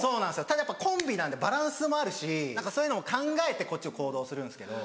ただやっぱりコンビなんでバランスもあるしそういうのも考えてこっちも行動するんですけど。